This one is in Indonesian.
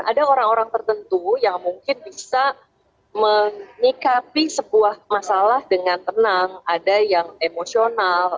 ada orang orang tertentu yang mungkin bisa menyikapi sebuah masalah dengan tenang ada yang emosional